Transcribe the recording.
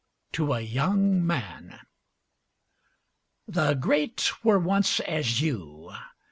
TO A YOUNG MAN The great were once as you.